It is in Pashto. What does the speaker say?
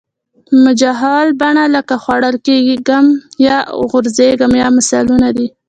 مجهول بڼه لکه خوړل کیږم به او غورځېږم به مثالونه دي.